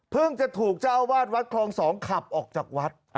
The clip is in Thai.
จะถูกเจ้าอาวาสวัดคลอง๒ขับออกจากวัด